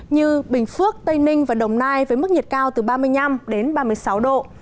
như bình phước tây ninh và đồng nai với mức nhiệt cao từ ba mươi năm đến ba mươi sáu độ